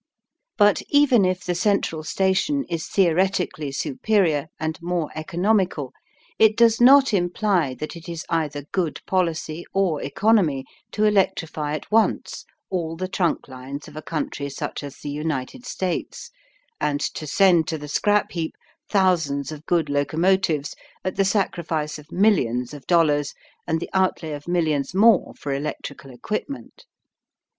But even if the central station is theoretically superior and more economical it does not imply that it is either good policy or economy to electrify at once all the trunk lines of a country such as the United States and to send to the scrap heap thousands of good locomotives at the sacrifice of millions of dollars and the outlay of millions more for electrical equipment.